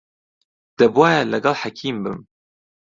دەبوایە لەگەڵ حەکیم بم.